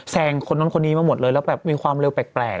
งคนนั้นคนนี้มาหมดเลยแล้วแบบมีความเร็วแปลก